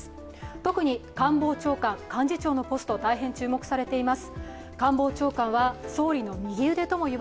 特に官房長官、幹事長のポスト大変注目されています。